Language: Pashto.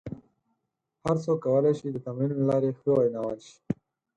هر څوک کولای شي د تمرین له لارې ښه ویناوال شي.